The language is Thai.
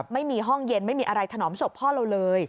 ไม่มีห้องเย็นไม่มีอะไรถนอมศพพ่อเราเลย